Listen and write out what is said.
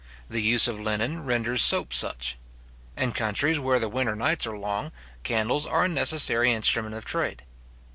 The use of linen renders soap such. In countries where the winter nights are long, candles are a necessary instrument of trade.